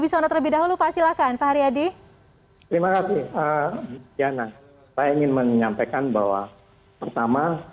saya ingin menyampaikan bahwa pertama